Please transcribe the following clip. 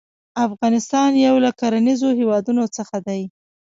افغانستان يو له کرنيزو هيوادونو څخه دى.